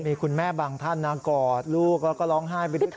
มีคุณแม่บางท่านนะกอดลูกแล้วก็ร้องไห้ไปด้วยกัน